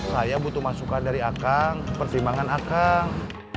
saya butuh masukan dari akang pertimbangan akang